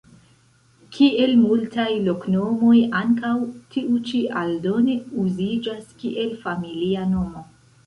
Kiel multaj loknomoj, ankaŭ tiu ĉi aldone uziĝas kiel familia nomo.